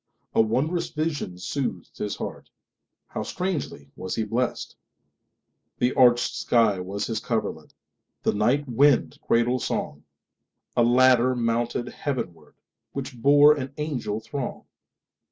A wondrous vision soothed his heartHow strangely was he blessed! The arched sky was his coverlet, The night wind cradle song;A ladder mounted heavenwardWhich bore an angel throng.